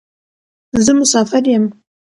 زه مسافر یم.